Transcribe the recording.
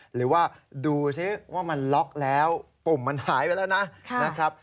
หรือว่าดูซิว่ามันล็อกแล้วปุ่มมันหายไปแล้วนะครับ